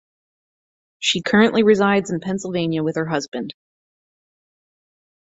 She currently resides in Pennsylvania with her husband.